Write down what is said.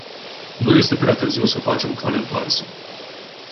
Nu este prea târziu să facem cale întoarsă.